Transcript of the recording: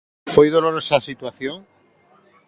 ¿Foi dolorosa a situación?